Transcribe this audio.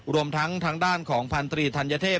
รวมทั้งทางด้านของพันธรีธัญเทพ